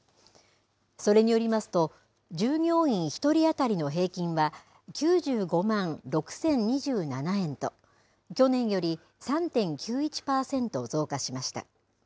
それによりますと従業員１人当たりの平均は９５万６０２７円と去年より３．９１パーセント増加しました。